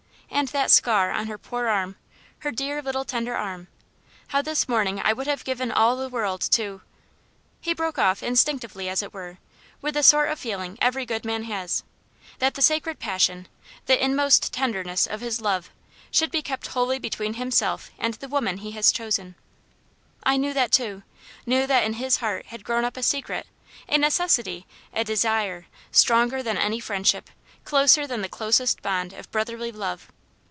And that scar on her poor arm her dear little tender arm; how this morning I would have given all the world to " He broke off instinctively, as it were with the sort of feeling every good man has, that the sacred passion, the inmost tenderness of his love, should be kept wholly between himself and the woman he has chosen. I knew that too; knew that in his heart had grown up a secret, a necessity, a desire, stronger than any friendship closer than the closest bond of brotherly love.